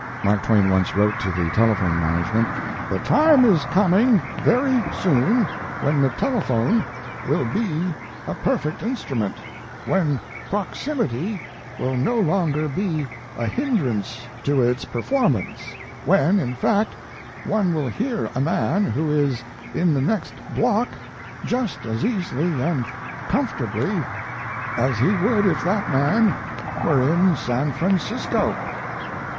Mark Twain once wrote to the telephone management: "The time is coming very soon when the telephone will be a perfect instrument, when proximity will no longer be a hindrance to its performance, when, in fact, one will hear a man who is in the next block just as easily and comfortably as he would if that man were in San Francisco."